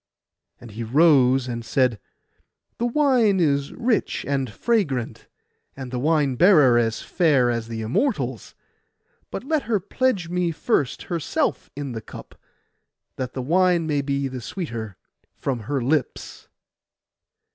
And he rose, and said, 'The wine is rich and fragrant, and the wine bearer as fair as the Immortals; but let her pledge me first herself in the cup, that the wine may be the sweeter from her lips.